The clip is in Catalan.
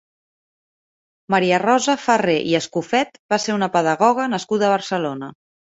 Maria Rosa Farré i Escofet va ser una pedagoga nascuda a Barcelona.